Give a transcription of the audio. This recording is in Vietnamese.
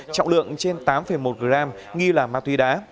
trọng lượng trên tám một gram nghi là ma túy đá